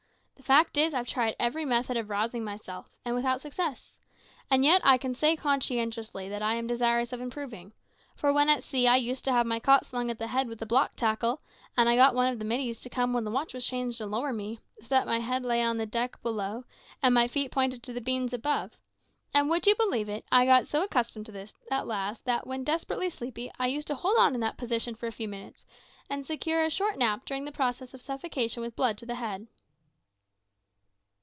The fact is, I've tried every method of rousing myself, and without success. And yet I can say conscientiously that I am desirous of improving; for when at sea I used to have my cot slung at the head with a block tackle, and I got one of the middies to come when the watch was changed and lower me, so that my head lay on the deck below, and my feet pointed to the beams above. And would you believe it, I got so accustomed to this at last that, when desperately sleepy, I used to hold on in that position for a few minutes, and secure a short nap during the process of suffocation with blood to the head."